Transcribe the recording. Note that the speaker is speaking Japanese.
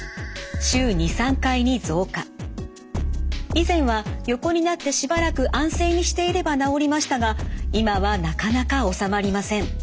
以前は横になってしばらく安静にしていれば治りましたが今はなかなか治まりません。